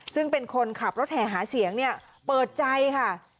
ซึ่งเป็นคนขับรถแห่หาเสียงเนี่ยเปิดใจค่ะ